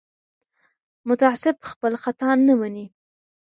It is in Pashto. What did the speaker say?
متعصب خپل خطا نه مني